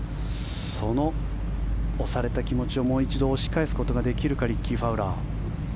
その押された気持ちをもう一度押し返すことができるかリッキー・ファウラー。